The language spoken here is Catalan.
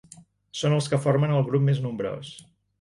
Són els que formen el grup més nombrós.